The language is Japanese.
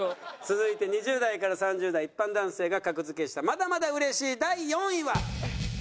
続いて２０代から３０代一般男性が格付けしたまだまだうれしい第４位は。